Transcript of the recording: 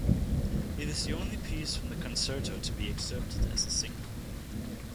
It is the only piece from the Concerto to be excerpted as a single.